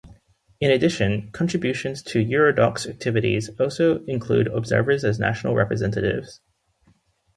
In addition, contributions to Eurodoc's activities also include observers as national representatives.